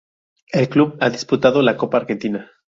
El club ha disputado la Copa Argentina.